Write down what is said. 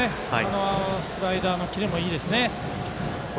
スライダーのキレもいいです。